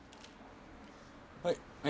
はい。